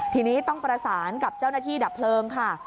ทีนี้ต้องประสานกับเจ้าหน้าที่ดับเพลิงค่ะ